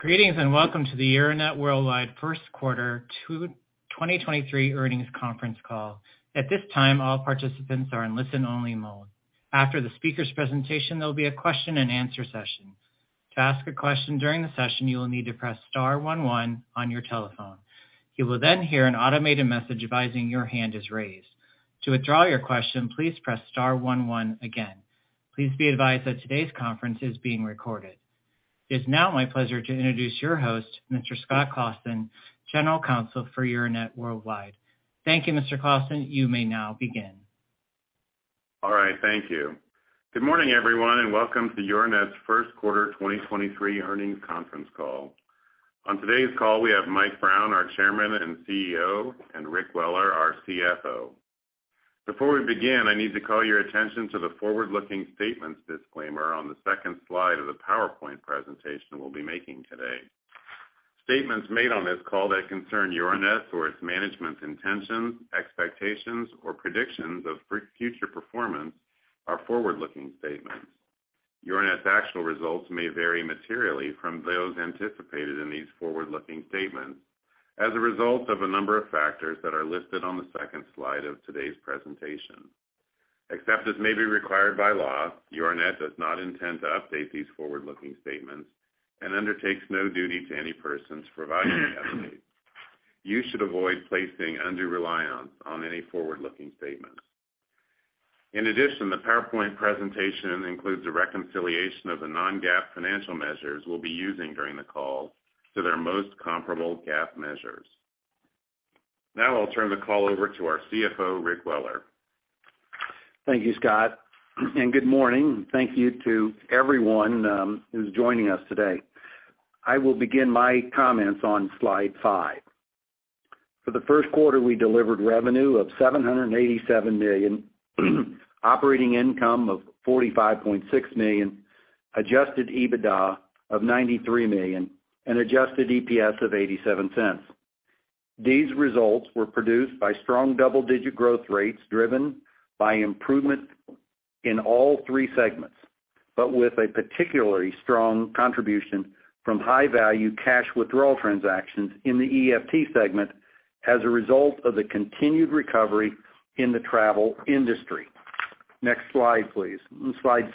Greetings, welcome to the Euronet Worldwide First Quarter 2023 Earnings Conference Call. At this time, all participants are in listen-only mode. After the speaker's presentation, there'll be a question-and-answer session. To ask a question during the session, you will need to press star one one on your telephone. You will hear an automated message advising your hand is raised. To withdraw your question, please press star one one again. Please be advised that today's conference is being recorded. It's now my pleasure to introduce your host, Mr. Scott Claassen, General Counsel for Euronet Worldwide. Thank you, Mr. Claassen. You may now begin. All right. Thank you. Good morning, everyone, and welcome to Euronet's First Quarter 2023 Earnings Conference Call. On today's call, we have Mike Brown, our Chairman and CEO, and Rick Weller, our CFO. Before we begin, I need to call your attention to the forward-looking statements disclaimer on the second slide of the PowerPoint presentation we'll be making today. Statements made on this call that concern Euronet or its management's intentions, expectations, or predictions of future performance are forward-looking statements. Euronet's actual results may vary materially from those anticipated in these forward-looking statements as a result of a number of factors that are listed on the second slide of today's presentation. Except as may be required by law, Euronet does not intend to update these forward-looking statements and undertakes no duty to any person to provide an update. You should avoid placing undue reliance on any forward-looking statements. In addition, the PowerPoint presentation includes a reconciliation of the non-GAAP financial measures we'll be using during the call to their most comparable GAAP measures. Now, I'll turn the call over to our CFO, Rick Weller. Thank you, Scott. Good morning. Thank you to everyone who's joining us today. I will begin my comments on slide five. For the first quarter, we delivered revenue of $787 million, operating income of $45.6 million, adjusted EBITDA of $93 million, and adjusted EPS of $0.87. These results were produced by strong double-digit growth rates driven by improvement in all three segments, but with a particularly strong contribution from high-value cash withdrawal transactions in the EFT segment as a result of the continued recovery in the travel industry. Next slide, please. Slide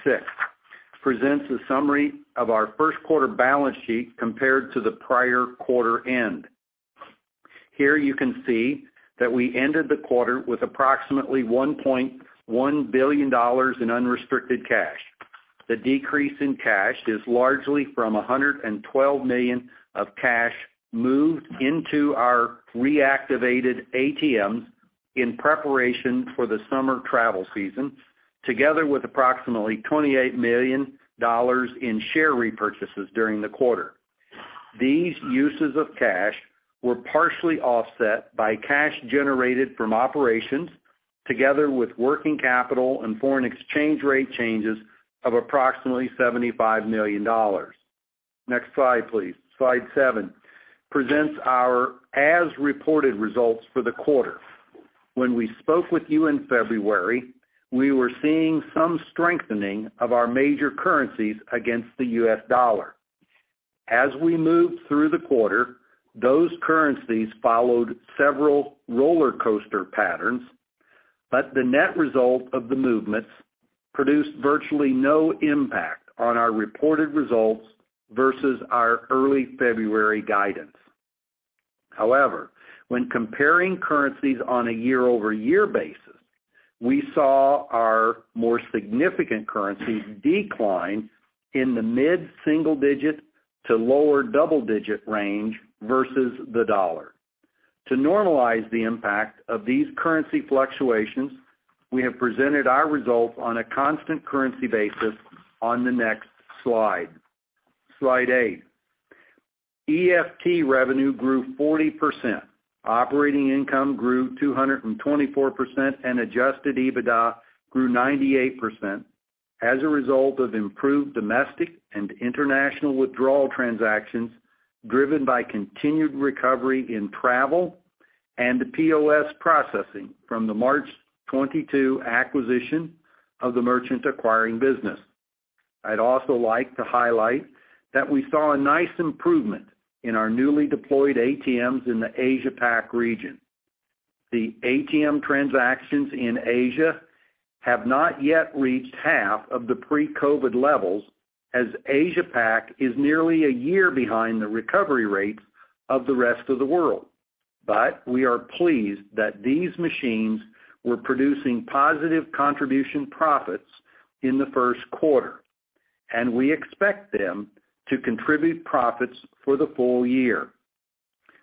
six presents a summary of our first quarter balance sheet compared to the prior quarter end. Here, you can see that we ended the quarter with approximately $1.1 billion in unrestricted cash. The decrease in cash is largely from 112 million of cash moved into our reactivated ATMs in preparation for the summer travel season, together with approximately $28 million in share repurchases during the quarter. These uses of cash were partially offset by cash generated from operations together with working capital and foreign exchange rate changes of approximately $75 million. Next slide, please. Slide seven presents our as-reported results for the quarter. When we spoke with you in February, we were seeing some strengthening of our major currencies against the US dollar. As we moved through the quarter, those currencies followed several roller coaster patterns, but the net result of the movements produced virtually no impact on our reported results versus our early February guidance. However, when comparing currencies on a year-over-year basis, we saw our more significant currencies decline in the mid-single digit to lower double-digit range versus the dollar. To normalize the impact of these currency fluctuations, we have presented our results on a constant currency basis on the next slide. Slide eight. EFT revenue grew 40%, operating income grew 224%, and adjusted EBITDA grew 98% as a result of improved domestic and international withdrawal transactions driven by continued recovery in travel and the POS processing from the March 2022 acquisition of the merchant acquiring business. I'd also like to highlight that we saw a nice improvement in our newly deployed ATMs in the Asia Pac region. The ATM transactions in Asia have not yet reached half of the pre-COVID levels as Asia Pac is nearly a year behind the recovery rates of the rest of the world. We are pleased that these machines were producing positive contribution profits in the first quarter, and we expect them to contribute profits for the full year.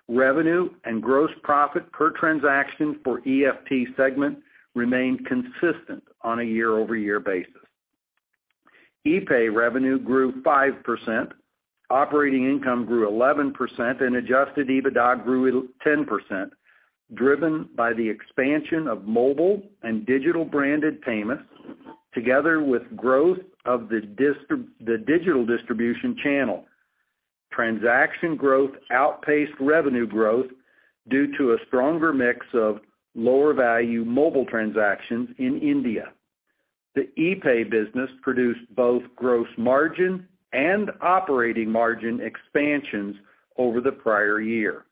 Revenue and gross profit per transaction for EFT segment remained consistent on a year-over-year basis. EPay revenue grew 5%, operating income grew 11%, and adjusted EBITDA grew at 10%, driven by the expansion of mobile and digital branded payments together with growth of the digital distribution channel. Transaction growth outpaced revenue growth due to a stronger mix of lower-value mobile transactions in India. The ePay business produced both gross margin and operating margin expansions over the prior year.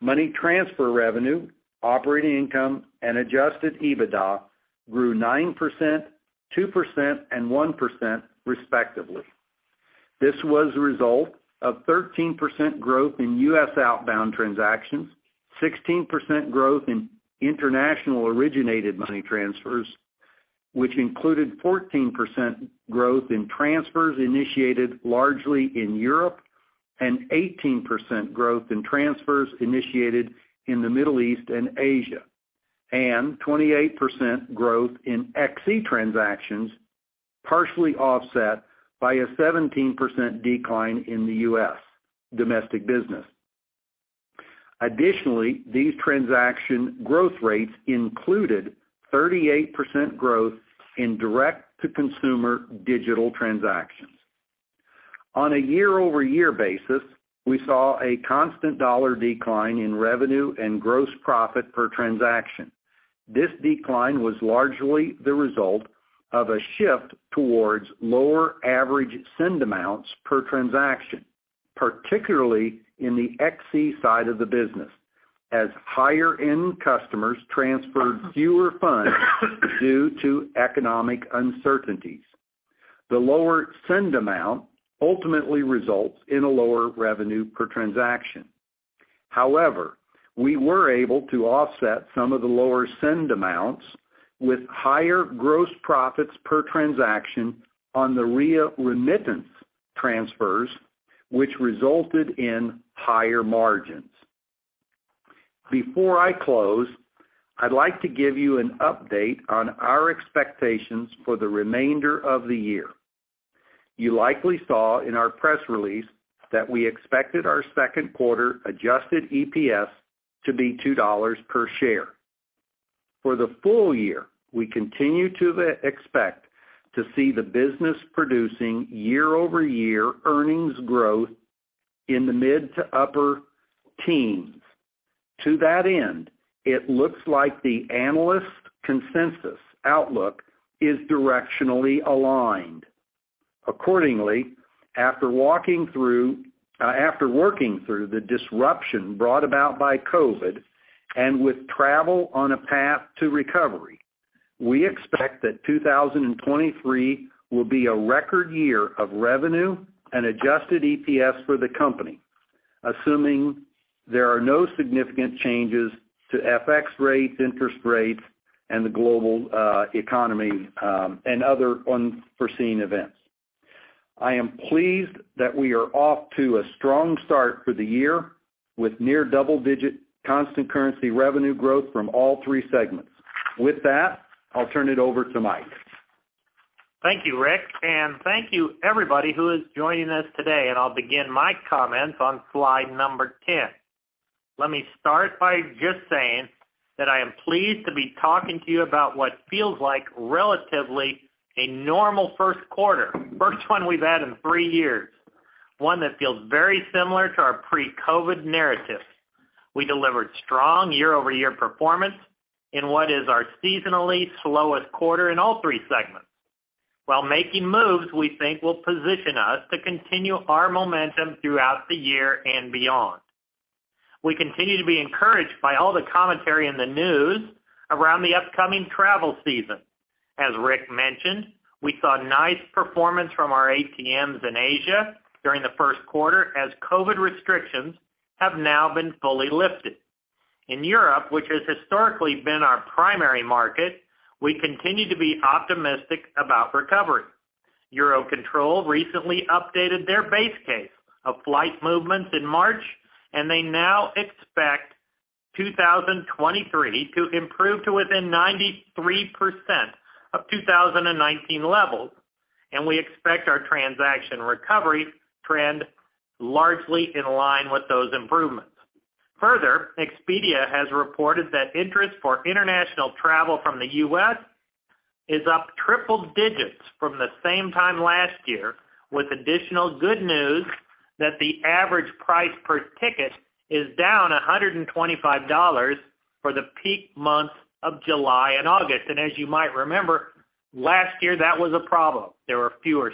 Money transfer revenue, operating income, and adjusted EBITDA grew 9%, 2%, and 1% respectively. This was a result of 13% growth in U.S. outbound transactions, 16% growth in international originated money transfers, which included 14% growth in transfers initiated largely in Europe and 18% growth in transfers initiated in the Middle East and Asia, and 28% growth in Xe transactions, partially offset by a 17% decline in the U.S. domestic business. These transaction growth rates included 38% growth in direct-to-consumer digital transactions. On a year-over-year basis, we saw a constant dollar decline in revenue and gross profit per transaction. This decline was largely the result of a shift towards lower average send amounts per transaction, particularly in the Xe side of the business, as higher-end customers transferred fewer funds due to economic uncertainties. The lower send amount ultimately results in a lower revenue per transaction. We were able to offset some of the lower send amounts with higher gross profits per transaction on the Ria remittance transfers, which resulted in higher margins. Before I close, I'd like to give you an update on our expectations for the remainder of the year. You likely saw in our press release that we expected our second quarter adjusted EPS to be $2 per share. For the full year, we continue to expect to see the business producing year-over-year earnings growth in the mid-to-upper [tens]. To that end, it looks like the analyst consensus outlook is directionally aligned. Accordingly, after walking through, after working through the disruption brought about by COVID and with travel on a path to recovery, we expect that 2023 will be a record year of revenue and adjusted EPS for the company, assuming there are no significant changes to FX rates, interest rates, and the global economy, and other unforeseen events. I am pleased that we are off to a strong start for the year with near double-digit constant currency revenue growth from all three segments. With that, I'll turn it over to Mike. Thank you, Rick, and thank you everybody who is joining us today, and I'll begin my comments on slide number 10. Let me start by just saying that I am pleased to be talking to you about what feels like relatively a normal first quarter, first one we've had in three years, one that feels very similar to our pre-COVID narrative. We delivered strong year-over-year performance in what is our seasonally slowest quarter in all three segments, while making moves we think will position us to continue our momentum throughout the year and beyond. We continue to be encouraged by all the commentary in the news around the upcoming travel season. As Rick mentioned, we saw nice performance from our ATMs in Asia during the first quarter, as COVID restrictions have now been fully lifted. In Europe, which has historically been our primary market, we continue to be optimistic about recovery. EUROCONTROL recently updated their base case of flight movements in March. They now expect 2023 to improve to within 93% of 2019 levels. We expect our transaction recovery trend largely in line with those improvements. Further, Expedia has reported that interest for international travel from the U.S. is up triple digits from the same time last year, with additional good news that the average price per ticket is down $125 for the peak months of July and August. As you might remember, last year that was a problem. There were fewer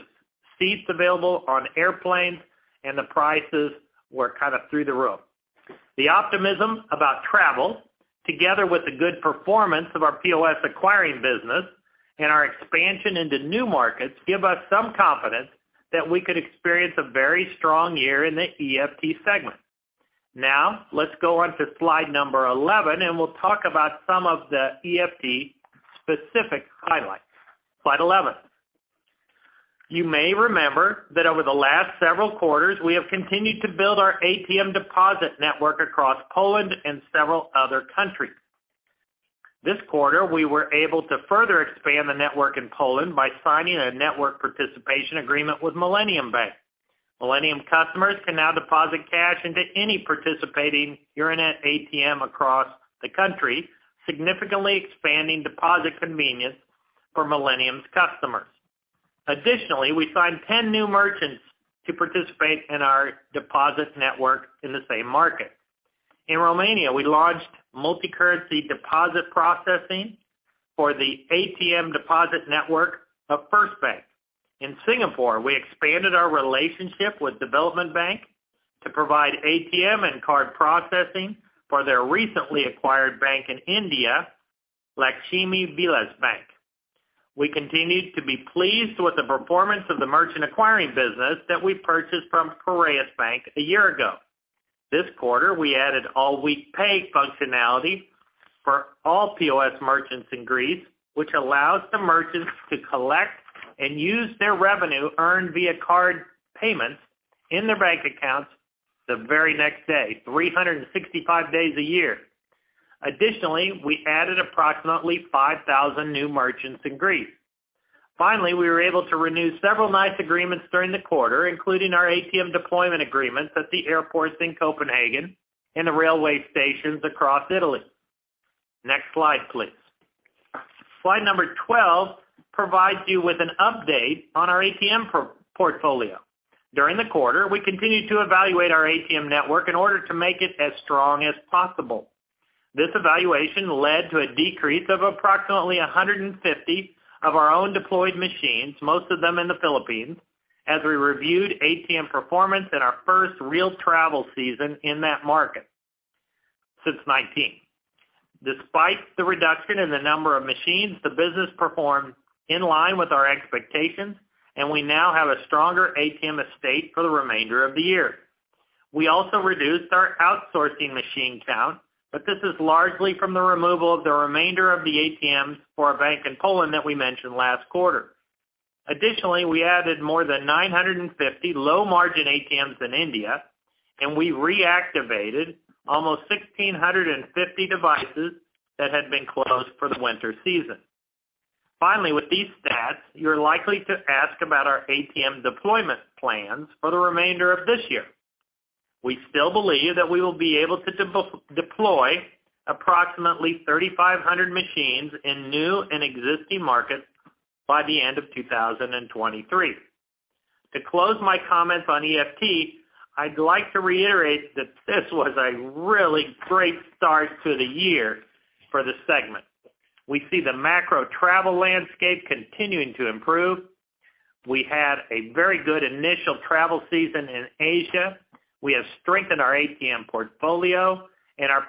seats available on airplanes. The prices were kind of through the roof. The optimism about travel, together with the good performance of our POS acquiring business and our expansion into new markets, give us some confidence that we could experience a very strong year in the EFT segment. Let's go on to slide number 11, and we'll talk about some of the EFT specific highlights. Slide 11. You may remember that over the last several quarters, we have continued to build our ATM deposit network across Poland and several other countries. This quarter, we were able to further expand the network in Poland by signing a network participation agreement with Millennium Bank. Millennium customers can now deposit cash into any participating Euronet ATM across the country, significantly expanding deposit convenience for Millennium's customers. We signed 10 new merchants to participate in our deposit network in the same market. In Romania, we launched multi-currency deposit processing for the ATM deposit network of First Bank. In Singapore, we expanded our relationship with Development Bank to provide ATM and card processing for their recently acquired bank in India, Lakshmi Vilas Bank. We continued to be pleased with the performance of the merchant acquiring business that we purchased from Piraeus Bank a year ago. This quarter, we added AllWeekPay functionality for all POS merchants in Greece, which allows the merchants to collect and use their revenue earned via card payments in their bank accounts the very next day, 365 days a year. Additionally, we added approximately 5,000 new merchants in Greece. Finally, we were able to renew several nice agreements during the quarter, including our ATM deployment agreements at the airports in Copenhagen and the railway stations across Italy. Next slide, please. Slide number 12 provides you with an update on our ATM portfolio. During the quarter, we continued to evaluate our ATM network in order to make it as strong as possible. This evaluation led to a decrease of approximately 150 of our own deployed machines, most of them in the Philippines, as we reviewed ATM performance in our first real travel season in that market since 2019. Despite the reduction in the number of machines, the business performed in line with our expectations, and we now have a stronger ATM estate for the remainder of the year. We also reduced our outsourcing machine count, but this is largely from the removal of the remainder of the ATMs for our bank in Poland that we mentioned last quarter. Additionally, we added more than 950 low-margin ATMs in India, and we reactivated almost 1,650 devices that had been closed for the winter season. Finally, with these stats, you're likely to ask about our ATM deployment plans for the remainder of this year. We still believe that we will be able to deploy approximately 3,500 machines in new and existing markets by the end of 2023. To close my comments on EFT, I'd like to reiterate that this was a really great start to the year for the segment. We see the macro travel landscape continuing to improve. We had a very good initial travel season in Asia. We have strengthened our ATM portfolio and our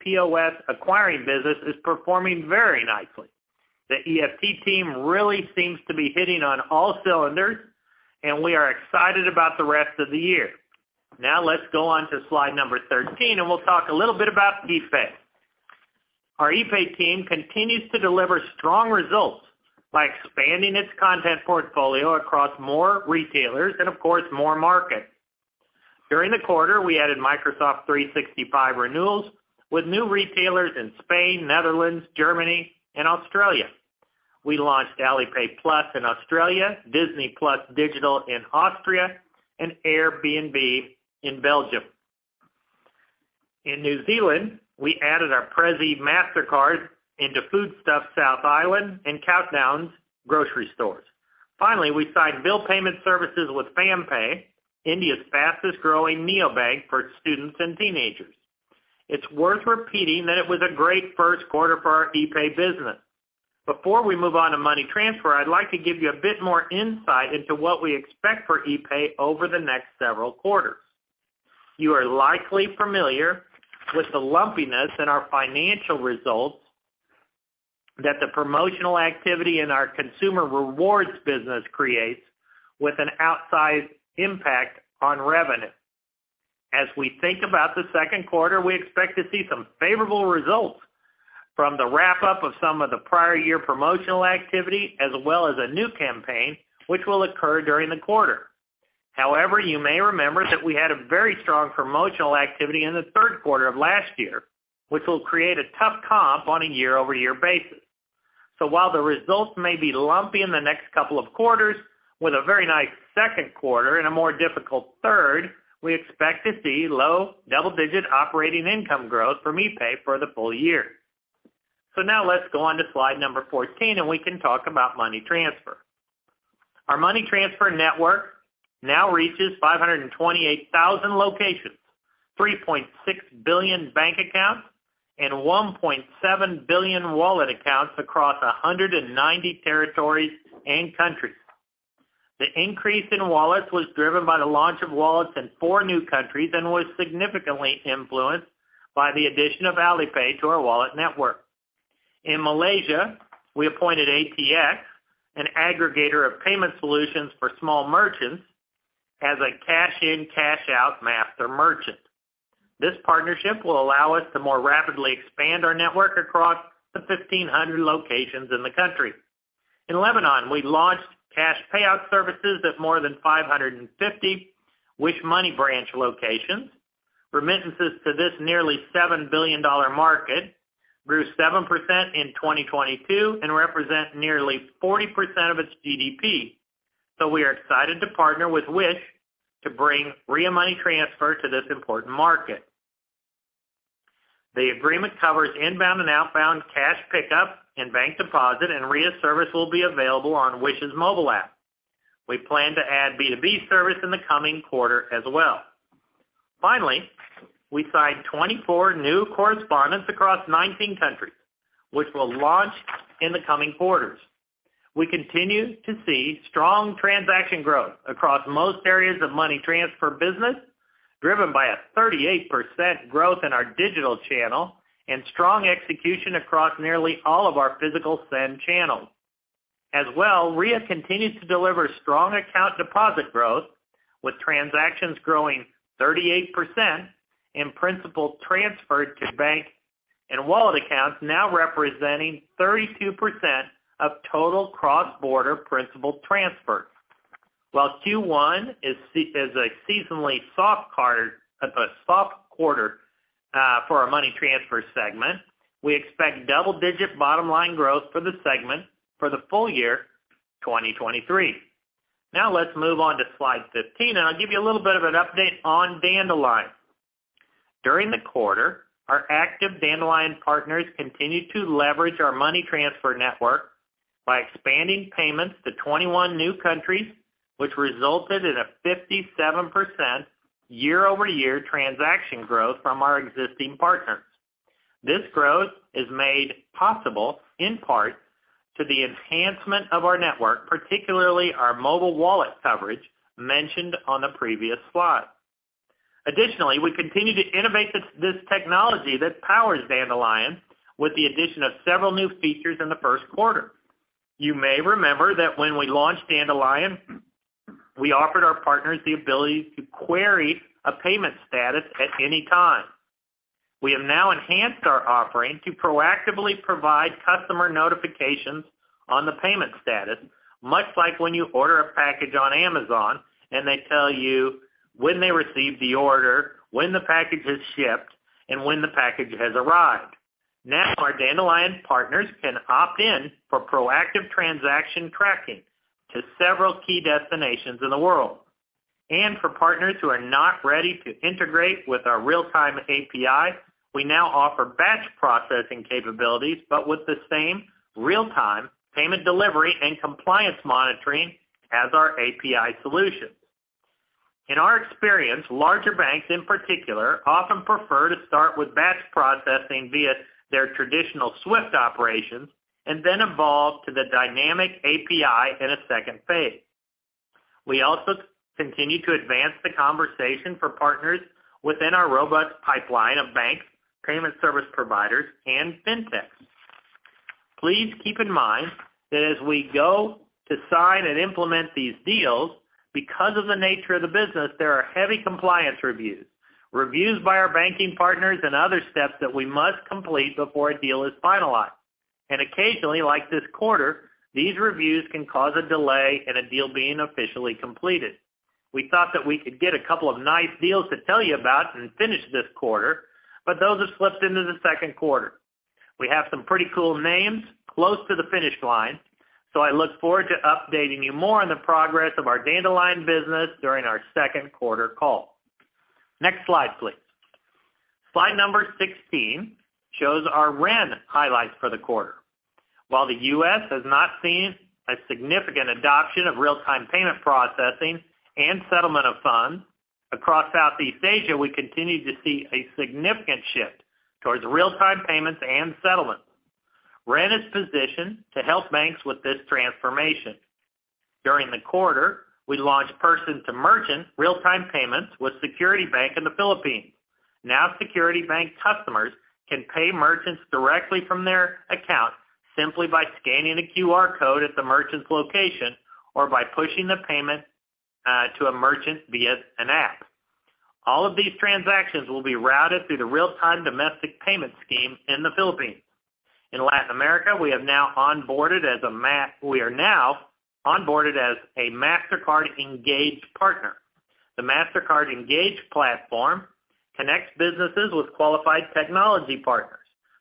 POS acquiring business is performing very nicely. The EFT team really seems to be hitting on all cylinders. We are excited about the rest of the year. Let's go on to slide number 13. We'll talk a little bit about ePay. Our ePay team continues to deliver strong results by expanding its content portfolio across more retailers and, of course, more markets. During the quarter, we added Microsoft 365 renewals with new retailers in Spain, Netherlands, Germany and Australia. We launched Alipay+ in Australia, Disney+ digital in Austria, and Airbnb in Belgium. In New Zealand, we added our Prezzy Mastercard into Foodstuffs South Island and Countdown grocery stores. We signed bill payment services with FamPay, India's fastest-growing neobank for students and teenagers. It's worth repeating that it was a great first quarter for our ePay business. Before we move on to Money Transfer, I'd like to give you a bit more insight into what we expect for ePay over the next several quarters. You are likely familiar with the lumpiness in our financial results that the promotional activity in our consumer rewards business creates with an outsized impact on revenue. As we think about the second quarter, we expect to see some favorable results from the wrap-up of some of the prior year promotional activity as well as a new campaign which will occur during the quarter. However, you may remember that we had a very strong promotional activity in the third quarter of last year, which will create a tough comp on a year-over-year basis. While the results may be lumpy in the next couple of quarters with a very nice second quarter and a more difficult third, we expect to see low double-digit operating income growth from ePay for the full year. Now let's go on to slide number 14, and we can talk about Money Transfer. Our Money Transfer network now reaches 528,000 locations, 3.6 billion bank accounts and 1.7 billion wallet accounts across 190 territories and countries. The increase in wallets was driven by the launch of wallets in 4 new countries and was significantly influenced by the addition of Alipay to our wallet network. In Malaysia, we appointed APX, an aggregator of payment solutions for small merchants, as a cash-in, cash-out master merchant. This partnership will allow us to more rapidly expand our network across the 1,500 locations in the country. In Lebanon, we launched cash payout services at more than 550 Whish Money branch locations. Remittances to this nearly $7 billion market grew 7% in 2022 and represent nearly 40% of its GDP. We are excited to partner with Whish to bring Ria Money Transfer to this important market. The agreement covers inbound and outbound cash pickup and bank deposit, Ria service will be available on Whish's mobile app. We plan to add B2B service in the coming quarter as well. We signed 24 new correspondents across 19 countries, which will launch in the coming quarters. We continue to see strong transaction growth across most areas of money transfer business, driven by a 38% growth in our digital channel and strong execution across nearly all of our physical send channels. Ria continues to deliver strong account deposit growth, with transactions growing 38% and principal transfers to bank and wallet accounts now representing 32% of total cross-border principal transfers. While Q1 is a seasonally soft quarter for our money transfer segment, we expect double-digit bottom-line growth for the segment for the full year 2023. Let's move on to slide 15, and I'll give you a little bit of an update on Dandelion. During the quarter, our active Dandelion partners continued to leverage our money transfer network by expanding payments to 21 new countries, which resulted in a 57% year-over-year transaction growth from our existing partners. This growth is made possible in part to the enhancement of our network, particularly our mobile wallet coverage mentioned on the previous slide. Additionally, we continue to innovate this technology that powers Dandelion with the addition of several new features in the first quarter. You may remember that when we launched Dandelion, we offered our partners the ability to query a payment status at any time. We have now enhanced our offering to proactively provide customer notifications on the payment status, much like when you order a package on Amazon and they tell you when they receive the order, when the package is shipped, and when the package has arrived. Our Dandelion partners can opt in for proactive transaction tracking to several key destinations in the world. For partners who are not ready to integrate with our real-time API, we now offer batch processing capabilities but with the same real-time payment delivery and compliance monitoring as our API solutions. In our experience, larger banks in particular often prefer to start with batch processing via their traditional SWIFT operations and then evolve to the dynamic API in a second phase. We also continue to advance the conversation for partners within our robust pipeline of banks, payment service providers, and fintechs. Please keep in mind that as we go to sign and implement these deals, because of the nature of the business, there are heavy compliance reviews by our banking partners and other steps that we must complete before a deal is finalized. Occasionally, like this quarter, these reviews can cause a delay in a deal being officially completed. We thought that we could get a couple of nice deals to tell you about and finish this quarter, but those have slipped into the second quarter. We have some pretty cool names close to the finish line, so I look forward to updating you more on the progress of our Dandelion business during our second quarter call. Next slide, please. Slide number 16 shows our Ren highlights for the quarter. While the U.S. has not seen a significant adoption of real-time payment processing and settlement of funds, across Southeast Asia, we continue to see a significant shift towards real-time payments and settlements. Ren is positioned to help banks with this transformation. During the quarter, we launched person-to-merchant real-time payments with Security Bank in the Philippines. Now, Security Bank customers can pay merchants directly from their account simply by scanning a QR code at the merchant's location or by pushing the payment to a merchant via an app. All of these transactions will be routed through the real-time domestic payment scheme in the Philippines. In Latin America, we are now onboarded as a Mastercard Engage partner. The Mastercard Engage platform connects businesses with qualified technology partners.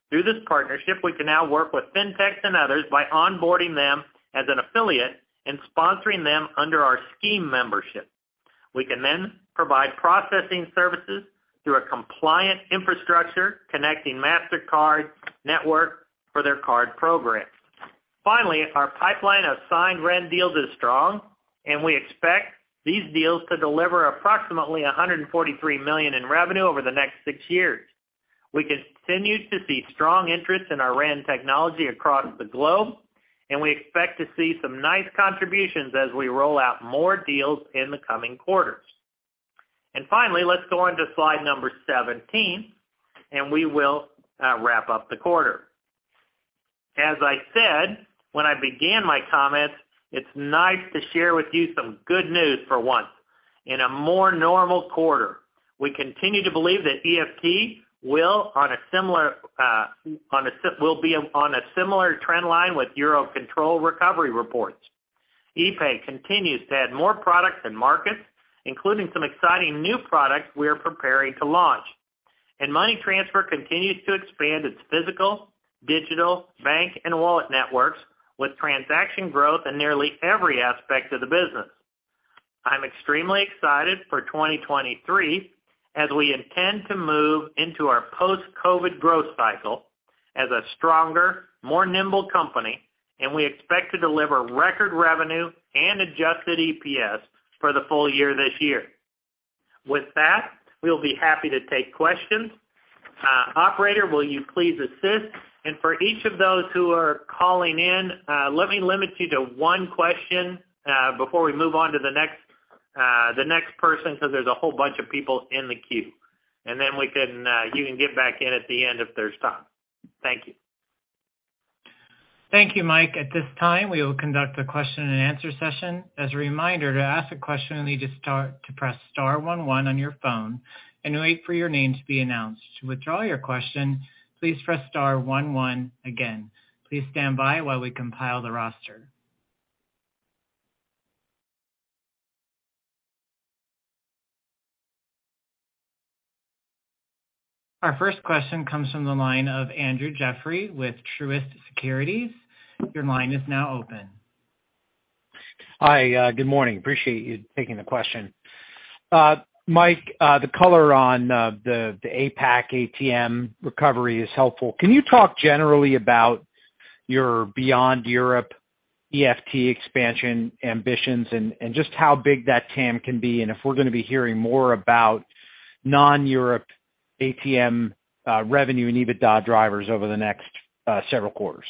Through this partnership, we can now work with fintechs and others by onboarding them as an affiliate and sponsoring them under our scheme membership. We can then provide processing services through a compliant infrastructure connecting Mastercard network for their card programs. Finally, our pipeline of signed Ren deals is strong, and we expect these deals to deliver approximately $143 million in revenue over the next six years. We continue to see strong interest in our Ren technology across the globe, and we expect to see some nice contributions as we roll out more deals in the coming quarters. Finally, let's go on to slide number 17, and we will wrap up the quarter. As I said when I began my comments, it's nice to share with you some good news for once. In a more normal quarter, we continue to believe that EFT will be on a similar trend line with EUROCONTROL recovery reports. ePay continues to add more products and markets, including some exciting new products we are preparing to launch. Money Transfer continues to expand its physical, digital, bank, and wallet networks with transaction growth in nearly every aspect of the business. I'm extremely excited for 2023 as we intend to move into our post-COVID growth cycle as a stronger, more nimble company, and we expect to deliver record revenue and adjusted EPS for the full year this year. With that, we'll be happy to take questions. Operator, will you please assist? For each of those who are calling in, let me limit you to one question before we move on to the next person, because there's a whole bunch of people in the queue. Then we can, you can get back in at the end if there's time. Thank you. Thank you, Mike. At this time, we will conduct a question and answer session. As a reminder, to ask a question, you need to press star one one on your phone and wait for your name to be announced. To withdraw your question, please press star one one again. Please stand by while we compile the roster. Our first question comes from the line of Andrew Jeffrey with Truist Securities. Your line is now open. Hi. Good morning. Appreciate you taking the question. Mike, the color on the APAC ATM recovery is helpful. Can you talk generally about your beyond Europe EFT expansion ambitions and just how big that TAM can be, and if we're gonna be hearing more about non-Europe ATM revenue and EBITDA drivers over the next several quarters?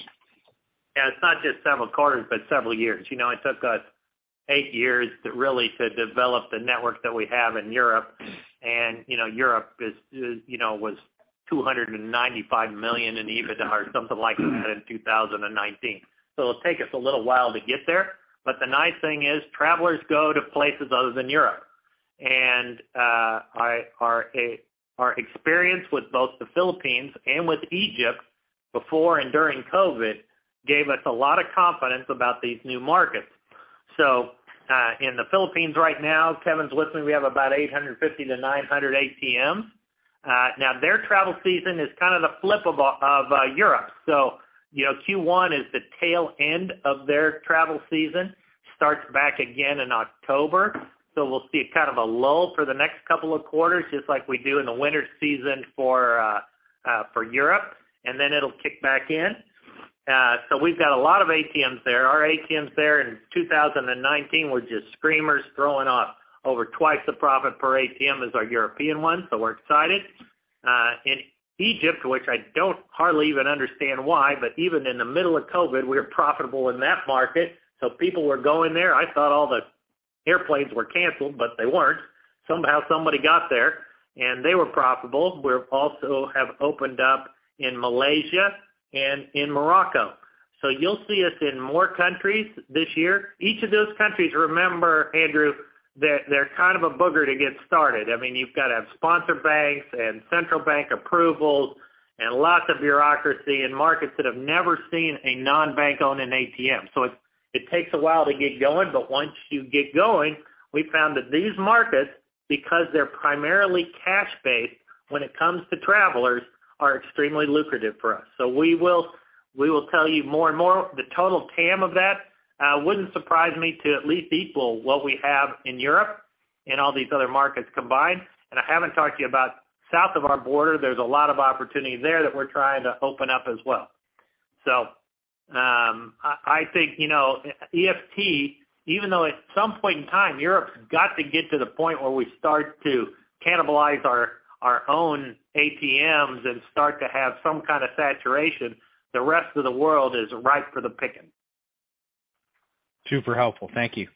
Yeah, it's not just several quarters, but several years. You know, it took us eight years to really develop the network that we have in Europe. Europe was $295 million in EBITDA or something like that in 2019. It'll take us a little while to get there. The nice thing is travelers go to places other than Europe. Our experience with both the Philippines and with Egypt before and during COVID gave us a lot of confidence about these new markets. In the Philippines right now, Kevin's listening, we have about 850-900 ATMs. Now their travel season is kind of the flip of Europe. You know, Q1 is the tail end of their travel season, starts back again in October. We'll see kind of a lull for the next couple of quarters, just like we do in the winter season for Europe, and then it'll kick back in. We've got a lot of ATMs there. Our ATMs there in 2019 were just screamers, throwing off over twice the profit per ATM as our European ones. We're excited. In Egypt, which I don't hardly even understand why, even in the middle of COVID, we were profitable in that market, people were going there. I thought all the airplanes were canceled, they weren't. Somehow somebody got there, they were profitable. We're also have opened up in Malaysia and in Morocco. You'll see us in more countries this year. Each of those countries, remember, Andrew, they're kind of a booger to get started. I mean, you've got to have sponsor banks and central bank approvals and lots of bureaucracy and markets that have never seen a non-bank own an ATM. It takes a while to get going. Once you get going, we found that these markets, because they're primarily cash-based when it comes to travelers, are extremely lucrative for us. We will tell you more and more. The total TAM of that wouldn't surprise me to at least equal what we have in Europe and all these other markets combined. I haven't talked to you about south of our border. There's a lot of opportunity there that we're trying to open up as well. I think, you know, EFT, even though at some point in time, Europe's got to get to the point where we start to cannibalize our own ATMs and start to have some kind of saturation, the rest of the world is ripe for the picking. Super helpful. Thank you.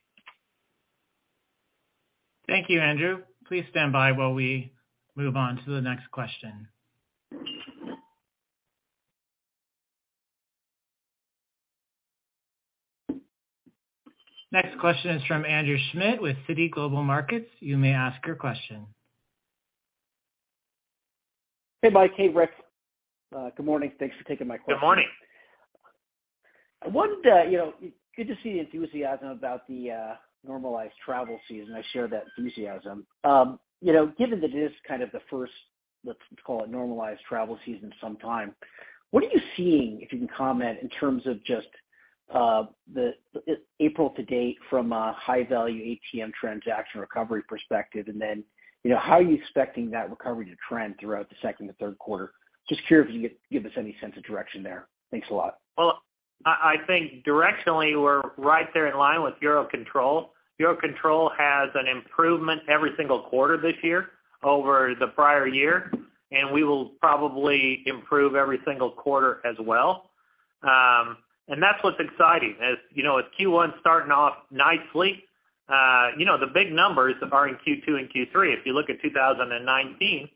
Thank you, Andrew. Please stand by while we move on to the next question. Next question is from Andrew Schmidt with Citi Global Markets. You may ask your question. Hey, Mike. Hey, Rick. Good morning. Thanks for taking my question. Good morning. I wondered, you know, good to see the enthusiasm about the normalized travel season. I share that enthusiasm. You know, given that it is kind of the first, let's call it normalized travel season sometime, what are you seeing, if you can comment, in terms of just the April to date from a high-value ATM transaction recovery perspective? Then, you know, how are you expecting that recovery to trend throughout the second and third quarter? Just curious if you could give us any sense of direction there. Thanks a lot. Well, I think directionally, we're right there in line with EUROCONTROL. EUROCONTROL has an improvement every single quarter this year over the prior year, we will probably improve every single quarter as well. That's what's exciting. As, you know, with Q1 starting off nicely, you know, the big numbers are in Q2 and Q3. If you look at 2019,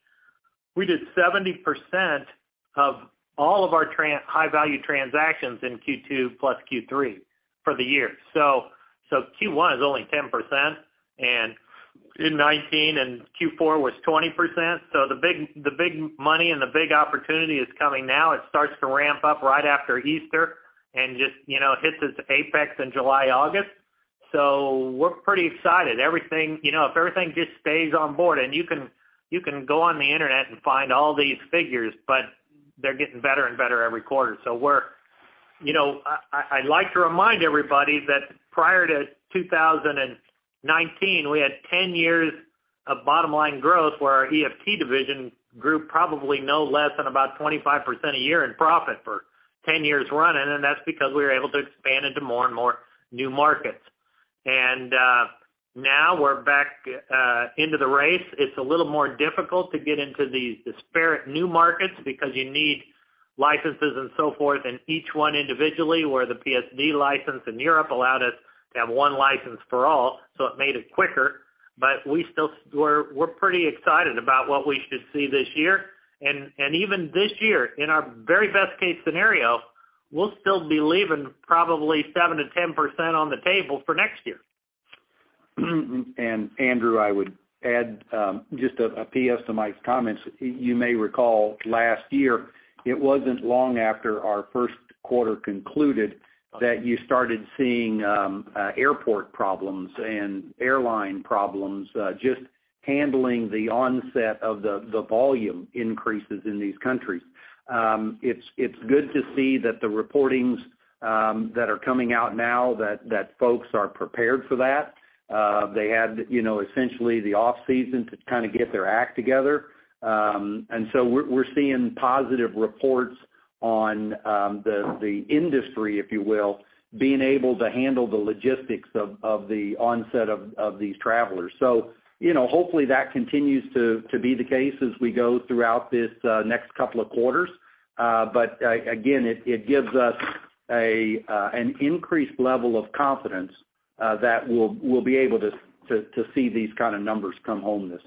we did 70% of all of our high-value transactions in Q2 plus Q3 for the year. Q1 is only 10%, in 2019 Q4 was 20%. The big money and the big opportunity is coming now. It starts to ramp up right after Easter and just, you know, hits its apex in July, August. We're pretty excited. Everything, you know, if everything just stays on board, you can go on the internet and find all these figures, they're getting better and better every quarter. You know, I like to remind everybody that prior to 2019, we had 10 years of bottom line growth where our EFT division grew probably no less than about 25% a year in profit for 10 years running, that's because we were able to expand into more and more new markets. Now we're back into the race. It's a little more difficult to get into these disparate new markets because you need licenses and so forth in each 1 individually, where the PSD license in Europe allowed us to have 1 license for all. It made it quicker, but we're pretty excited about what we should see this year. Even this year, in our very best case scenario, we'll still be leaving probably 7%-10% on the table for next year. Andrew, I would add, just a PS to Mike's comments. You may recall last year, it wasn't long after our first quarter concluded that you started seeing airport problems and airline problems, just handling the onset of the volume increases in these countries. It's good to see that the reportings that are coming out now that folks are prepared for that. They had, you know, essentially the off-season to kind of get their act together. We're seeing positive reports on the industry, if you will, being able to handle the logistics of the onset of these travelers. You know, hopefully that continues to be the case as we go throughout this next couple of quarters. Again, it gives us an increased level of confidence that we'll be able to see these kind of numbers come home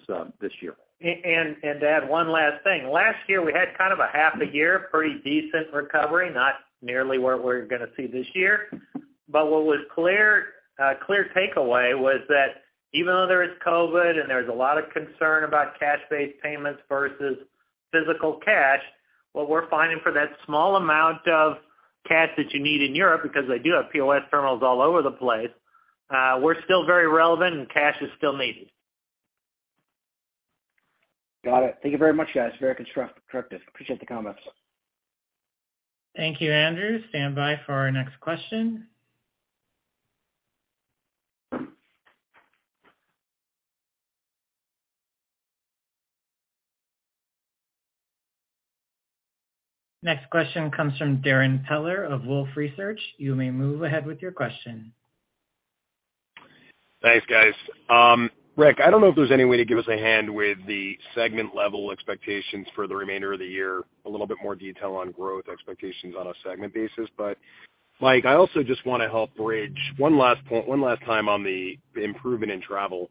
this year. To add one last thing. Last year, we had kind of a half a year, pretty decent recovery, not nearly what we're gonna see this year. What was clear takeaway was that even though there is COVID and there's a lot of concern about cash-based payments versus physical cash, what we're finding for that small amount of cash that you need in Europe, because they do have POS terminals all over the place, we're still very relevant, and cash is still needed. Got it. Thank you very much, guys. Very constructive. Appreciate the comments. Thank you, Andrew. Stand by for our next question. Next question comes from Darrin Peller of Wolfe Research. You may move ahead with your question. Thanks, guys. Rick, I don't know if there's any way to give us a hand with the segment level expectations for the remainder of the year, a little bit more detail on growth expectations on a segment basis. Mike, I also just want to help bridge one last time on the improvement in travel.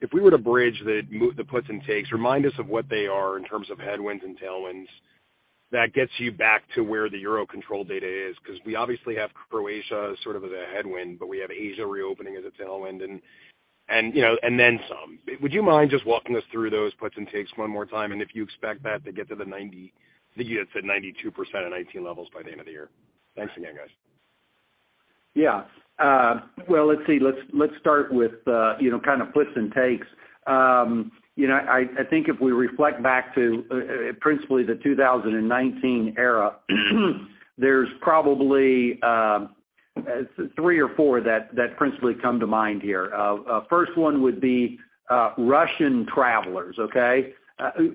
If we were to bridge the puts and takes, remind us of what they are in terms of headwinds and tailwinds. That gets you back to where the EUROCONTROL data is, because we obviously have Croatia sort of as a headwind, but we have Asia reopening as a tailwind and, you know, and then some. Would you mind just walking us through those puts and takes one more time? If you expect that to get to the 92% of 2019 levels by the end of the year. Thanks again, guys. Yeah. Well, let's see. Let's, let's start with, you know, kind of puts and takes. You know, I think if we reflect back to, principally the 2019 era, there's probably, three or four that principally come to mind here. First one would be, Russian travelers, okay?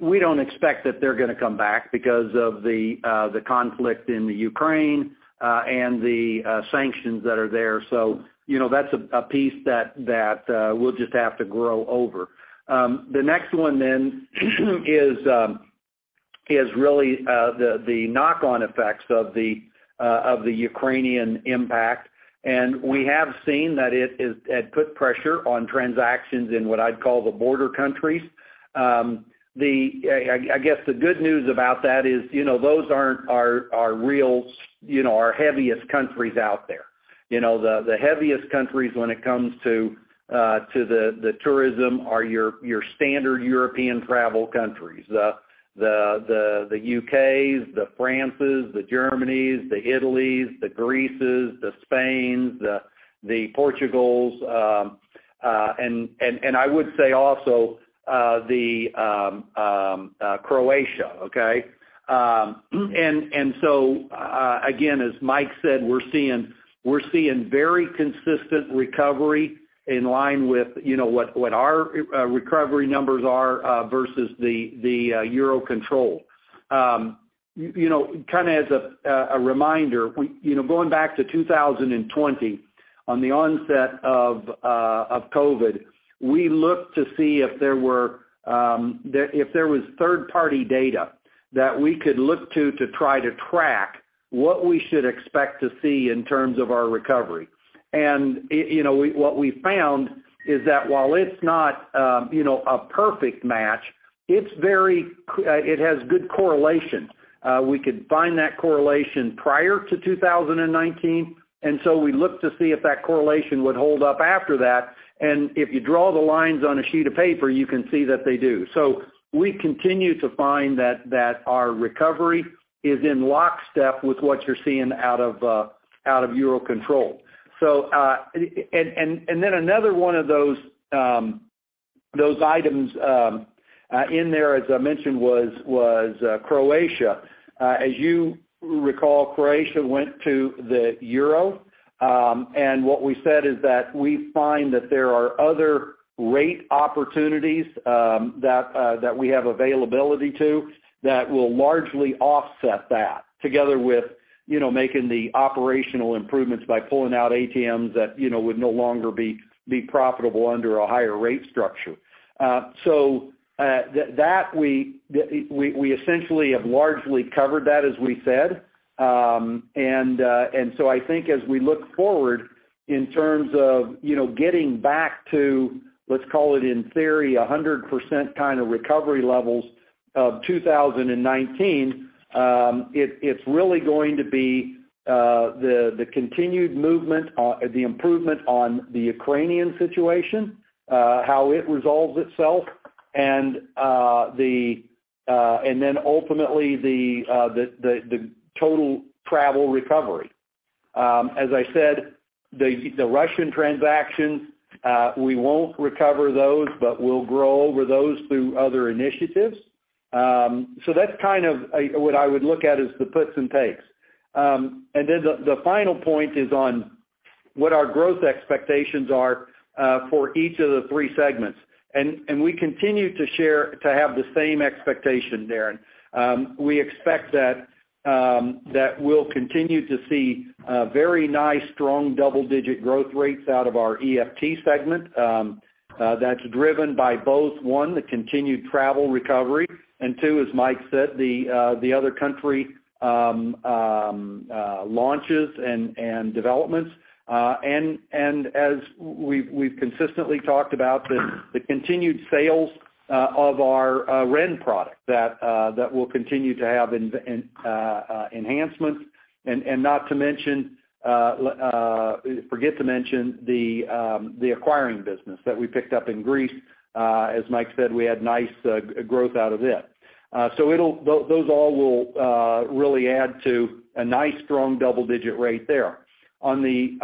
We don't expect that they're gonna come back because of the conflict in the Ukraine, and the, sanctions that are there. You know, that's a piece that, we'll just have to grow over. The next one then is really, the knock-on effects of the, of the Ukrainian impact. We have seen that it put pressure on transactions in what I'd call the border countries. I guess the good news about that is, you know, those aren't our real, you know, our heaviest countries out there. You know, the heaviest countries when it comes to the tourism are your standard European travel countries. The U.K.s, the Frances, the Germanys, the Italys, the Greeces, the Spains, the Portugals, and I would say also Croatia, okay? Again, as Mike said, we're seeing very consistent recovery in line with, you know, what our recovery numbers are versus the EUROCONTROL. You, you know, kind of as a reminder, you know, going back to 2020, on the onset of COVID, we looked to see if there were, if there was third-party data that we could look to to try to track what we should expect to see in terms of our recovery. You know, what we found is that while it's not, you know, a perfect match, it has good correlation. We could find that correlation prior to 2019, and so we looked to see if that correlation would hold up after that. If you draw the lines on a sheet of paper, you can see that they do. We continue to find that our recovery is in lockstep with what you're seeing out of EUROCONTROL. Then another one of those items in there, as I mentioned, was Croatia. As you recall, Croatia went to the euro, and what we said is that we find that there are other rate opportunities that we have availability to, that will largely offset that together with, you know, making the operational improvements by pulling out ATMs that, you know, would no longer be profitable under a higher rate structure. That we essentially have largely covered that as we said. I think as we look forward in terms of, you know, getting back to, let's call it in theory, 100% kind of recovery levels of 2019, it's really going to be the improvement on the Ukrainian situation, how it resolves itself, then ultimately the total travel recovery. As I said, the Russian transactions, we won't recover those, but we'll grow over those through other initiatives. That's kind of what I would look at as the puts and takes. Then the final point is on what our growth expectations are for each of the 3 segments. We continue to have the same expectation, Darren. We expect that we'll continue to see very nice, strong double-digit growth rates out of our EFT segment, that's driven by both, 1, the continued travel recovery, and 2, as Mike said, the other country launches and developments. As we've consistently talked about the continued sales of our Ren product that will continue to have enhancements. Not to mention, forget to mention the acquiring business that we picked up in Greece. As Mike said, we had nice growth out of it. Those all will really add to a nice, strong double-digit rate there. On the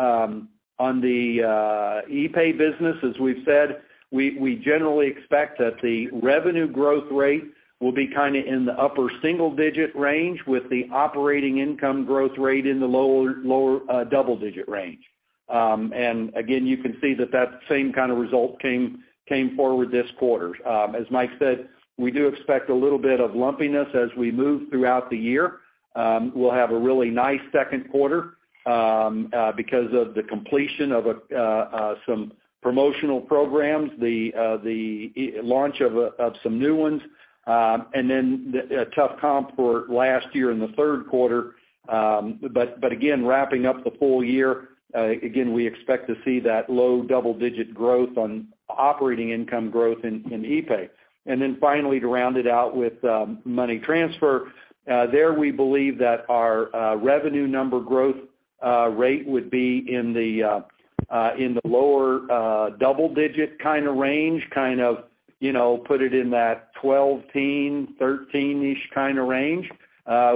ePay business, as we've said, we generally expect that the revenue growth rate will be kind of in the upper single-digit range with the operating income growth rate in the lower double-digit range. Again, you can see that that same kind of result came forward this quarter. As Mike said, we do expect a little bit of lumpiness as we move throughout the year. We'll have a really nice second quarter because of the completion of some promotional programs, the launch of some new ones, and then a tough comp for last year in the third quarter. Again, wrapping up the full year, again, we expect to see that low double-digit growth on operating income growth in ePay. Finally, to round it out with money transfer, there, we believe that our revenue number growth rate would be in the lower double-digit kind of range, kind of, you know, put it in that 12-teen, 13-ish kind of range,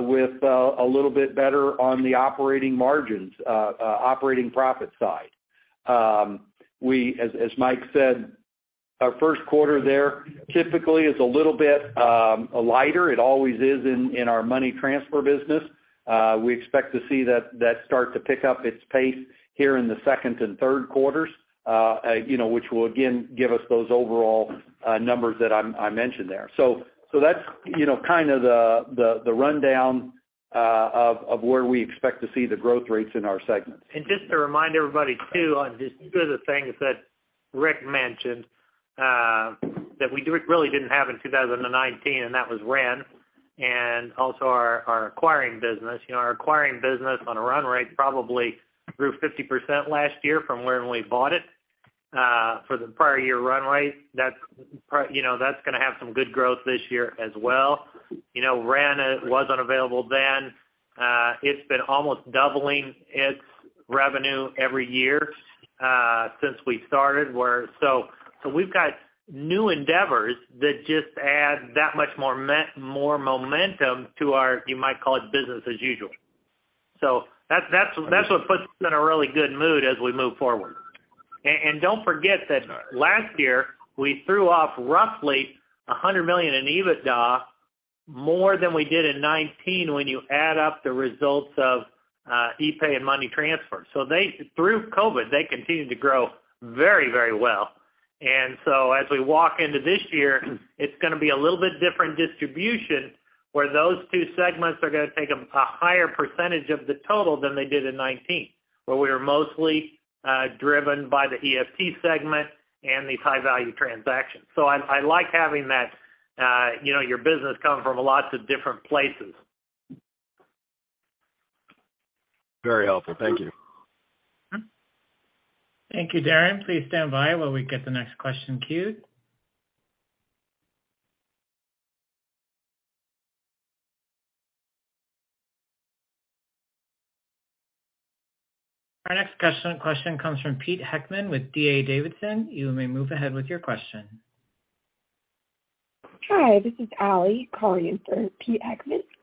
with a little bit better on the operating margins, operating profit side. We as Mike said, our first quarter there typically is a little bit lighter. It always is in our money transfer business. We expect to see that start to pick up its pace here in the second and third quarters, you know, which will again, give us those overall numbers that I mentioned there. That's, you know, kind of the rundown, of where we expect to see the growth rates in our segments. Just to remind everybody too, on just two of the things that Rick mentioned, that we really didn't have in 2019, and that was Ren and also our acquiring business. You know, our acquiring business on a run rate probably grew 50% last year from when we bought it, for the prior year run rate. That's, you know, that's gonna have some good growth this year as well. You know, Ren wasn't available then. It's been almost doubling its revenue every year, since we started. We've got new endeavors that just add that much more momentum to our, you might call it business as usual. That's, that's what puts us in a really good mood as we move forward. Don't forget that last year, we threw off roughly $100 million in EBITDA more than we did in 2019 when you add up the results of ePay and money transfer. Through COVID, they continued to grow very, very well. As we walk into this year, it's gonna be a little bit different distribution, where those two segments are gonna take a higher percentage of the total than they did in 2019, where we were mostly driven by the EFT segment and these high-value transactions. I like having that, you know, your business come from lots of different places. Very helpful. Thank you. Thank you, Darren. Please stand by while we get the next question queued. Our next question comes from Peter Heckmann with D.A. Davidson. You may move ahead with your question. Hi, this is Alli calling in for Pete Heckmann. We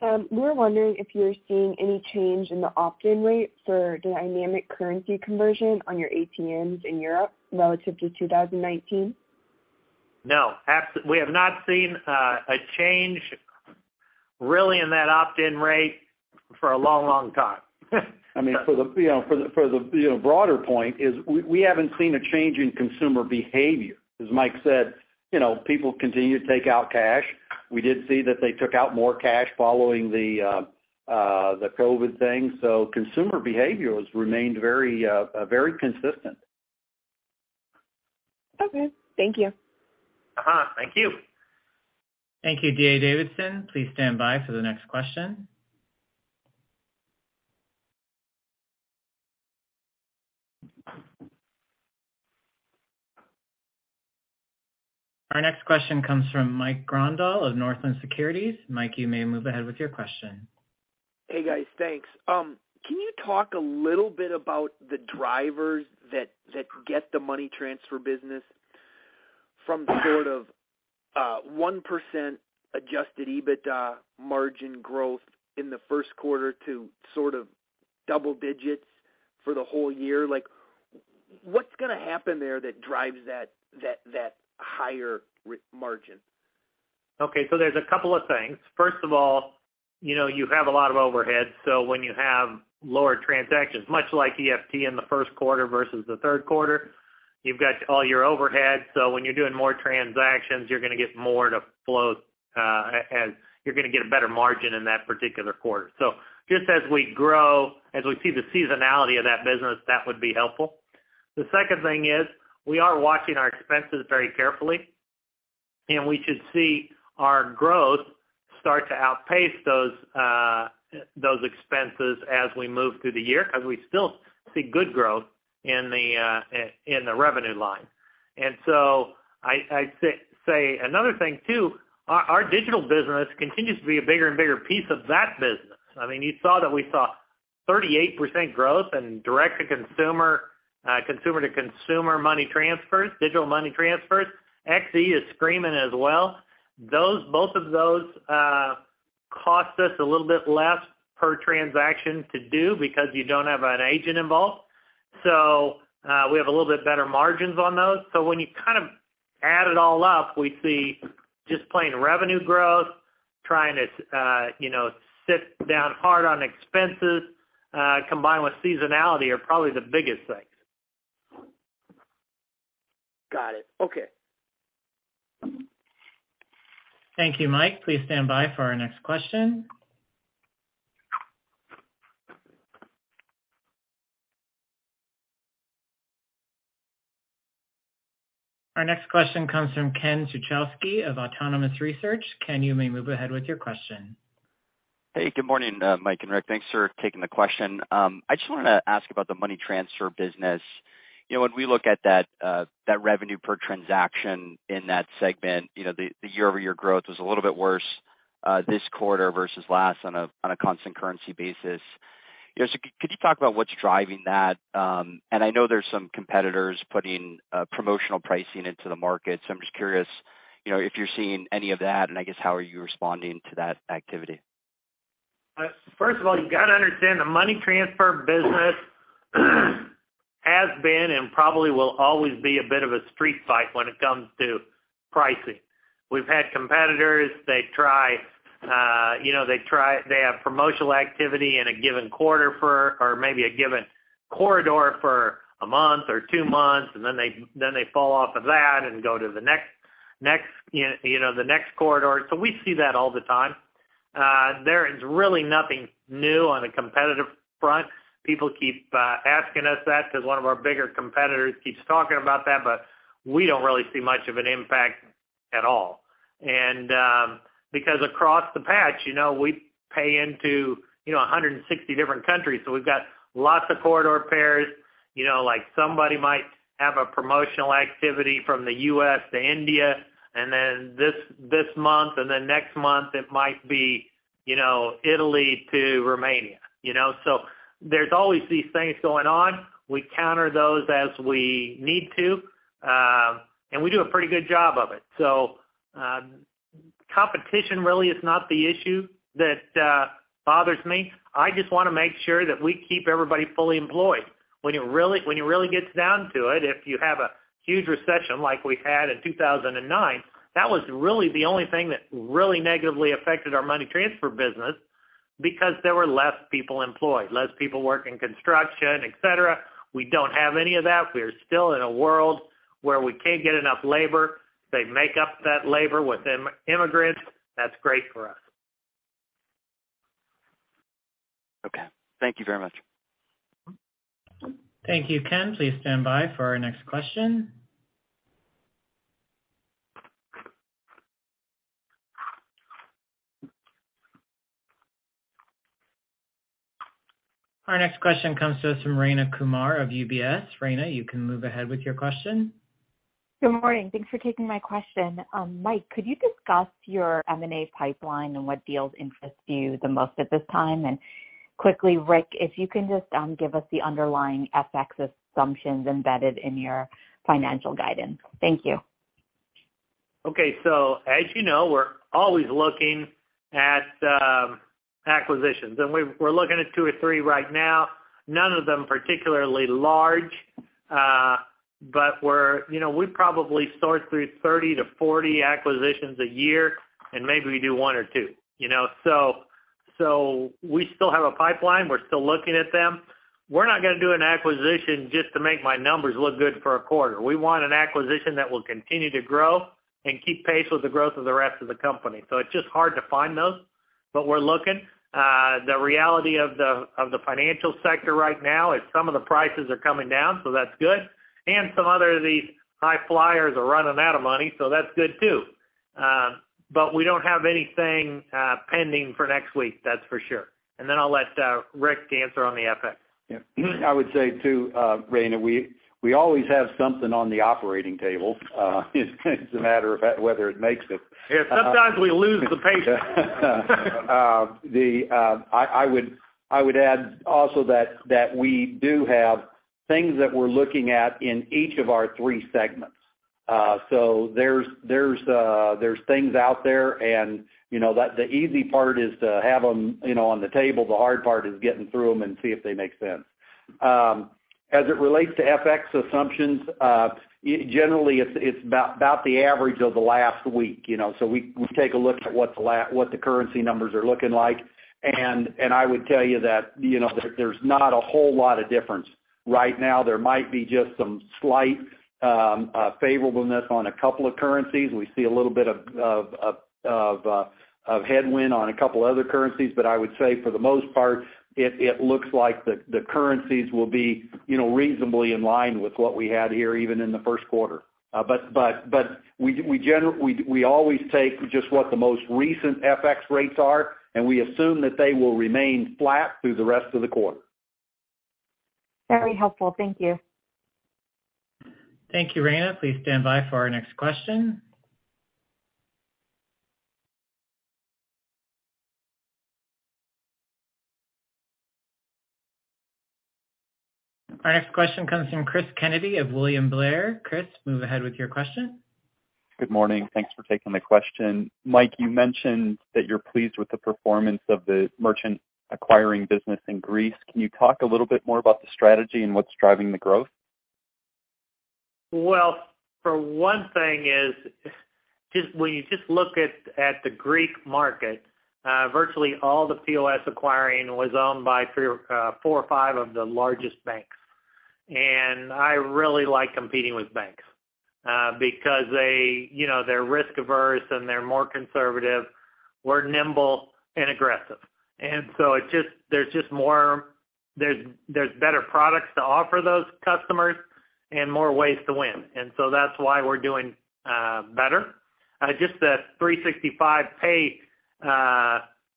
were wondering if you're seeing any change in the opt-in rate for dynamic currency conversion on your ATMs in Europe relative to 2019? No. We have not seen a change really in that opt-in rate for a long, long time. I mean, for the, you know, broader point is we haven't seen a change in consumer behavior. As Mike said, you know, people continue to take out cash. We did see that they took out more cash following the COVID thing. Consumer behavior has remained very consistent. Okay. Thank you. Uh-huh. Thank you. Thank you, D.A. Davidson. Please stand by for the next question. Our next question comes from Mike Grondahl of Northland Securities. Mike, you may move ahead with your question. Hey guys. Thanks. Can you talk a little bit about the drivers that get the money transfer business from sort of 1% adjusted EBITDA margin growth in the first quarter to sort of double digits for the whole year? Like what's gonna happen there that drives that higher margin? Okay, there's a couple of things. First of all, you know, you have a lot of overhead, so when you have lower transactions, much like EFT in the first quarter versus the third quarter, you've got all your overhead. When you're doing more transactions, you're gonna get more to flow, and you're gonna get a better margin in that particular quarter. Just as we grow, as we see the seasonality of that business, that would be helpful. The second thing is we are watching our expenses very carefully, and we should see our growth start to outpace those expenses as we move through the year because we still see good growth in the revenue line. I say another thing too, our digital business continues to be a bigger and bigger piece of that business. I mean, you saw that we saw 38% growth in direct to consumer to consumer money transfers, digital money transfers. Xe is screaming as well. Those, both of those, cost us a little bit less per transaction to do because you don't have an agent involved. We have a little bit better margins on those. When you kind of add it all up, we see just plain revenue growth, trying to, you know, sit down hard on expenses, combined with seasonality are probably the biggest things. Got it. Okay. Thank you, Mike. Please stand by for our next question. Our next question comes from Ken Suchoski of Autonomous Research. Ken, you may move ahead with your question. Hey, good morning, Mike and Rick. Thanks for taking the question. I just wanted to ask about the money transfer business. You know, when we look at that revenue per transaction in that segment, you know, the year-over-year growth was a little bit worse, this quarter versus last on a constant currency basis. You know, so could you talk about what's driving that? I know there's some competitors putting promotional pricing into the market, so I'm just curious, you know, if you're seeing any of that, and I guess how are you responding to that activity? First of all, you gotta understand the money transfer business has been and probably will always be a bit of a street fight when it comes to pricing. We've had competitors, they try, you know, They have promotional activity in a given quarter for or maybe a given corridor for a month or 2 months, and then they, then they fall off of that and go to the next, you know, the next corridor. We see that all the time. There is really nothing new on a competitive front. People keep asking us that because one of our bigger competitors keeps talking about that, but we don't really see much of an impact at all. Because across the patch, you know, we pay into, you know, 160 different countries, so we've got lots of corridor pairs. You know, like somebody might have a promotional activity from the U.S. to India and then this month, and then next month it might be, you know, Italy to Romania, you know. There's always these things going on. We counter those as we need to, and we do a pretty good job of it. Competition really is not the issue that bothers me. I just wanna make sure that we keep everybody fully employed. When it really gets down to it, if you have a huge recession like we had in 2009, that was really the only thing that really negatively affected our money transfer business because there were less people employed, less people working construction, et cetera. We don't have any of that. We're still in a world where we can't get enough labor. They make up that labor with immigrants. That's great for us. Okay. Thank you very much. Thank you, Ken. Please stand by for our next question. Our next question comes to us from Rayna Kumar of UBS. Rayna, you can move ahead with your question. Good morning. Thanks for taking my question. Mike, could you discuss your M&A pipeline and what deals interest you the most at this time? Quickly, Rick, if you can just, give us the underlying FX assumptions embedded in your financial guidance. Thank you. As you know, we're always looking at acquisitions, and we're looking at 2 or 3 right now, none of them particularly large. We're, you know, we probably sort through 30-40 acquisitions a year, and maybe we do 1 or 2, you know? We still have a pipeline. We're still looking at them. We're not gonna do an acquisition just to make my numbers look good for a quarter. We want an acquisition that will continue to grow and keep pace with the growth of the rest of the company. It's just hard to find those, but we're looking. The reality of the, of the financial sector right now is some of the prices are coming down, so that's good. Some other of these high flyers are running out of money, so that's good too. We don't have anything pending for next week, that's for sure. I'll let Rick answer on the FX. Yeah. I would say, too, Rayna, we always have something on the operating table. It's a matter of whether it makes it. Yeah, sometimes we lose the patient. I would add also that we do have things that we're looking at in each of our three segments. There's things out there and, you know, the easy part is to have them, you know, on the table. The hard part is getting through them and see if they make sense. As it relates to FX assumptions, generally it's about the average of the last week, you know? We take a look at what the currency numbers are looking like. I would tell you that, you know, there's not a whole lot of difference. Right now there might be just some slight favorableness on a couple of currencies. We see a little bit of headwind on a couple other currencies. I would say for the most part, it looks like the currencies will be, you know, reasonably in line with what we had here even in the first quarter. We always take just what the most recent FX rates are, and we assume that they will remain flat through the rest of the quarter. Very helpful. Thank you. Thank you, Rayna. Please stand by for our next question. Our next question comes from Cristopher Kennedy of William Blair. Chris, move ahead with your question. Good morning. Thanks for taking the question. Mike, you mentioned that you're pleased with the performance of the merchant acquiring business in Greece. Can you talk a little bit more about the strategy and what's driving the growth? Well, for one thing is just when you just look at the Greek market, virtually all the POS acquiring was owned by 3, 4 or 5 of the largest banks. I really like competing with banks, because they, you know, they're risk averse and they're more conservative. We're nimble and aggressive. So there's better products to offer those customers and more ways to win. That's why we're doing better. Just the 365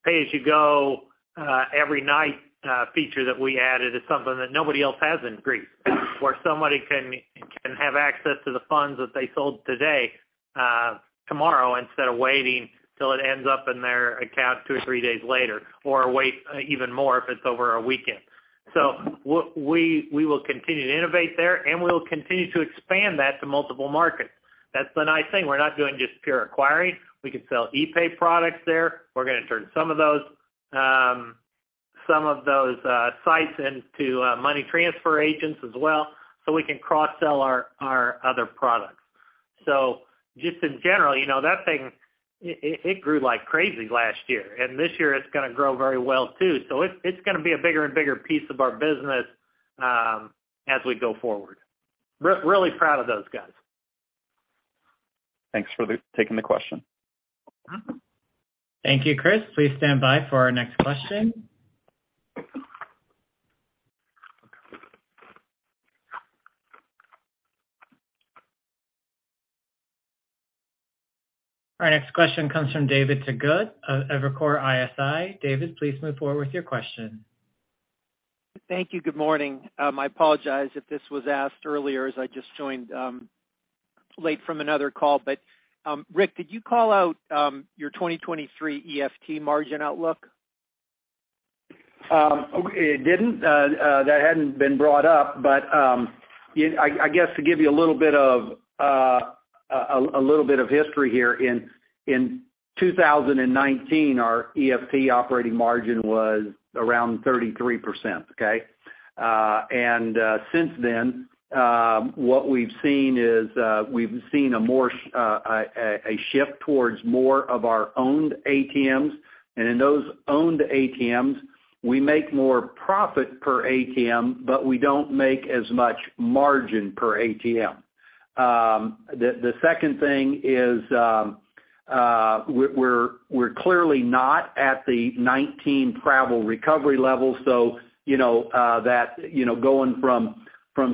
pay-as-you-go, every night, feature that we added is something that nobody else has in Greece, where somebody can have access to the funds that they sold today, tomorrow, instead of waiting till it ends up in their account 2 or 3 days later, or wait even more if it's over a weekend. We will continue to innovate there, and we'll continue to expand that to multiple markets. That's the nice thing. We're not doing just pure acquiring. We can sell ePay products there. We're gonna turn some of those, some of those sites into money transfer agents as well, so we can cross-sell our other products. Just in general, you know, that thing, it grew like crazy last year, and this year it's gonna grow very well too. It's gonna be a bigger and bigger piece of our business as we go forward. Really proud of those guys. Thanks for taking the question. Thank you, Chris. Please stand by for our next question. Our next question comes from David Togut of Evercore ISI. David, please move forward with your question. Thank you. Good morning. I apologize if this was asked earlier, as I just joined late from another call. Rick, could you call out your 2023 EFT margin outlook? It didn't. That hadn't been brought up, but I guess to give you a little bit of history here, in 2019, our EFT operating margin was around 33%, okay? Since then, what we've seen is we've seen a more shift towards more of our owned ATMs. In those owned ATMs, we make more profit per ATM, but we don't make as much margin per ATM. The second thing is, we're clearly not at the 2019 travel recovery level, so, you know, that, you know, going from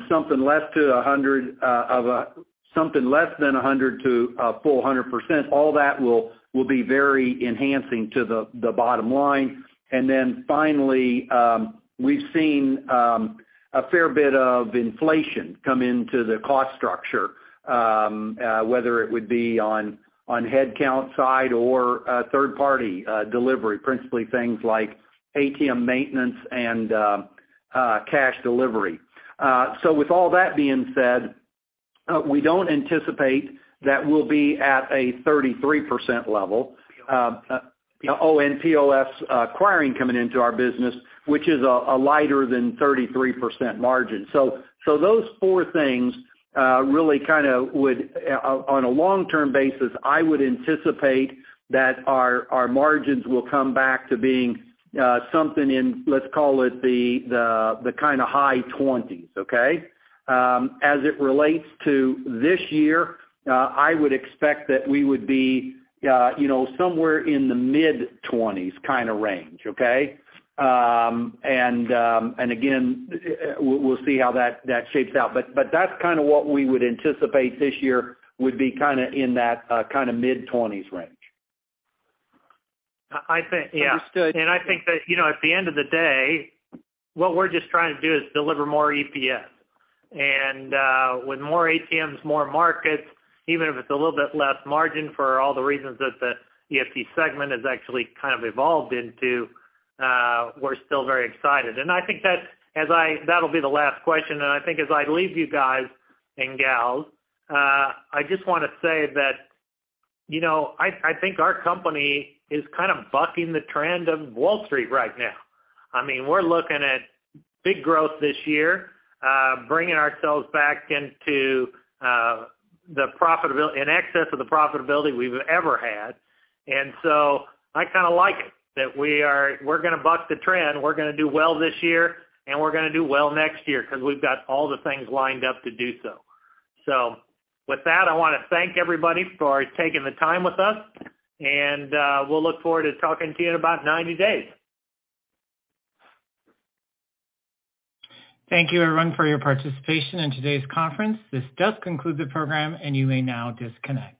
something less to 100, of something less than 100 to a full 100%, all that will be very enhancing to the bottom line. Finally, we've seen a fair bit of inflation come into the cost structure, whether it would be on headcount side or third party delivery, principally things like ATM maintenance and cash delivery. With all that being said, we don't anticipate that we'll be at a 33% level. Oh, and POS acquiring coming into our business, which is a lighter than 33% margin. Those four things really kind of would on a long-term basis, I would anticipate that our margins will come back to being something in, let's call it the kinda high 20, okay. As it relates to this year, I would expect that we would be, you know, somewhere in the mid-20s kinda range, okay. And again, we'll see how that shapes out. That's kinda what we would anticipate this year would be kinda in that kinda mid-20s range. I think. Yeah. Understood. I think that, you know, at the end of the day, what we're just trying to do is deliver more EPS. With more ATMs, more markets, even if it's a little bit less margin for all the reasons that the EFT segment has actually kind of evolved into, we're still very excited. I think that that'll be the last question. I think as I leave you guys and gals, I just wanna say that, you know, I think our company is kind of bucking the trend of Wall Street right now. I mean, we're looking at big growth this year, bringing ourselves back into in excess of the profitability we've ever had. I kinda like it, that we're gonna buck the trend, we're gonna do well this year, and we're gonna do well next year 'cause we've got all the things lined up to do so. With that, I wanna thank everybody for taking the time with us, and we'll look forward to talking to you in about 90 days. Thank you everyone for your participation in today's conference. This does conclude the program. You may now disconnect.